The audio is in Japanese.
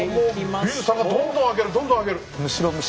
いやもう美術さんがどんどん開けるどんどん開ける。